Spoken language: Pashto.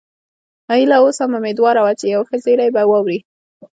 هيله اوس هم اميدواره وه چې یو ښه زیری به واوري